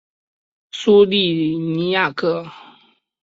苏利尼亚克。